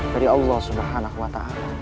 dari allah swt